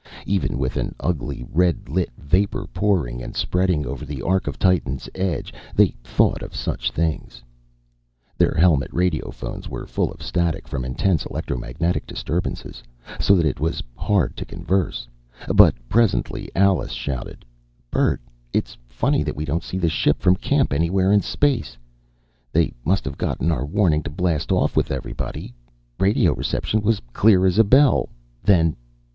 Even with an ugly, red lit vapor pouring and spreading over the arc of Titan's edge, they thought of such things. Their helmet radiophones were full of static from intense electromagnetic disturbances, so that it was hard to converse. But presently Alice shouted: "Bert! It's funny that we don't see the ship from camp anywhere in space. They must have gotten our warning to blast off with everybody. Radio reception was clear as a bell, then!...